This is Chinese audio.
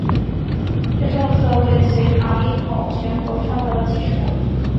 这政策为隋唐一统全国创造了基础。